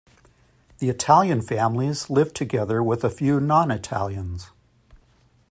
The Italian families lived together with a few non Italians.